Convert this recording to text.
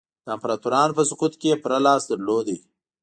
د امپراتورانو په سقوط کې یې پوره لاس درلود.